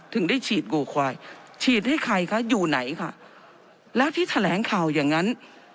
ถึงได้ฉีดวูควายฉีดให้ใครคะอยู่ไหนค่ะแล้วที่แถลงข่าวอย่างนั้น